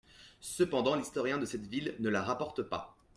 Cependant l'historien de cette ville ne la rapporte pas.